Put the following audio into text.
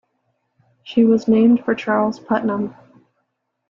She was named for Charles Putnam.